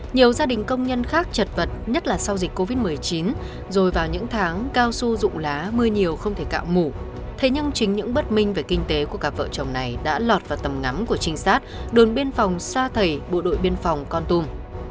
những thông tin khác trật vật nhất là sau dịch covid một mươi chín rồi vào những tháng cao su rụng lá mưa nhiều không thể cạo mủ thế nhưng chính những bất minh về kinh tế của các vợ chồng này đã lọt vào tầm ngắm của trinh sát đồn biên phòng sa thầy bộ đội biên phòng con tum